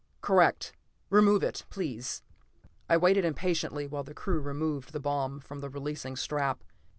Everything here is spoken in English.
"Correct. Remove it, please." I waited impatiently while the crew removed the bomb from the releasing trap.